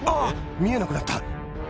見えなくなった。